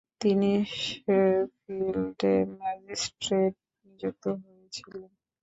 তিনি শেফিল্ডে ম্যাজিস্ট্রেট নিযুক্ত হয়েছিলেন।